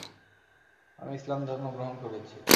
আমি ইসলাম ধর্ম গ্রহণ করেছি।